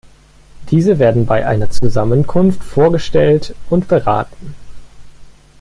Diese werden bei einer Zusammenkunft vorgestellt und beraten.